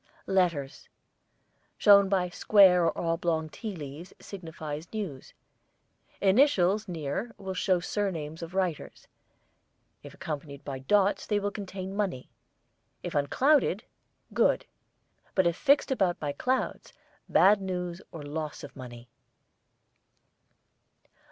LETTERS, shown by square or oblong tea leaves, signifies news. Initials near will show surnames of writers; if accompanied by dots they will contain money; if unclouded, good; but if fixed about by clouds, bad news or loss of money.